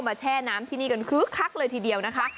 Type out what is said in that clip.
แช่น้ำที่นี่กันคึกคักเลยทีเดียวนะคะ